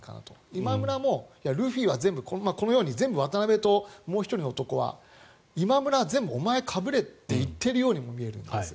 今村もルフィは全部、このように全部渡邉ともう１人の男は今村、全部お前、かぶれって言ってるような感じもするんです。